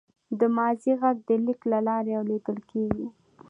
د ماضي غږ د لیک له لارې اورېدل کېږي.